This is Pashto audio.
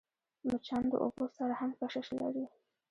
مچان د اوبو سره هم کشش لري